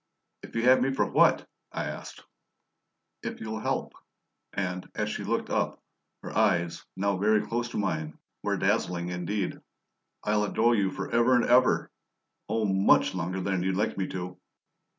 "If you have me for what?" I asked. "If you'll help" and, as she looked up, her eyes, now very close to mine, were dazzling indeed "I'll adore you for ever and ever! Oh, MUCH longer than you'd like me to!"